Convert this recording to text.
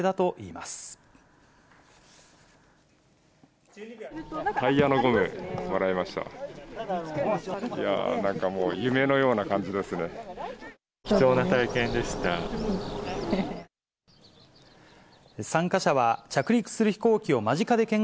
いやー、なんかもう、夢のような感じですね。